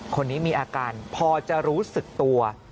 คนนี้มีอาการพอจะรู้สึกตัว